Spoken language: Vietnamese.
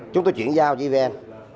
chúng tôi chuyển giao gvn